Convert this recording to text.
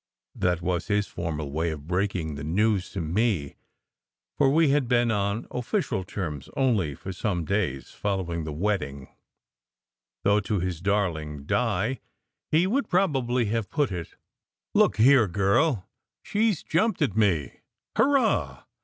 That was his formal way of breaking the news to me, for we had been on official terms only for some days following the wedding; though to his darling Di he would probably have put it "Look here, girl, she s jumped at me! Hurrah!